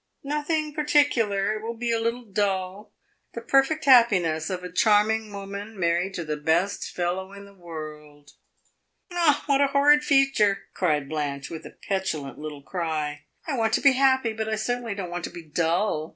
"Nothing particular; it will be a little dull the perfect happiness of a charming woman married to the best fellow in the world." "Ah, what a horrid future!" cried Blanche, with a little petulant cry. "I want to be happy, but I certainly don't want to be dull.